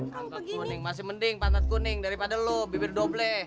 pangkat kuning masih mending pantat kuning daripada lo bibir doble